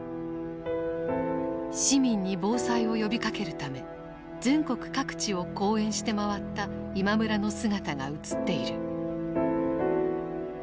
市民に防災を呼びかけるため全国各地を講演して回った今村の姿が映っている。